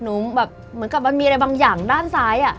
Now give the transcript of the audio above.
หนูแบบเหมือนกับมันมีอะไรบางอย่างด้านซ้าย